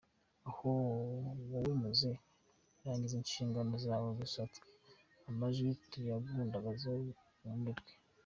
Ahoooooooooo!!!!!!! Wowe muzehe rangiza inshingano zawe gusa twe amajwi tuyagundagazeho bumirwe!!!!.